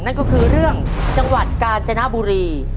นั่นก็คือเรื่องจังหวัดกาญจนบุรี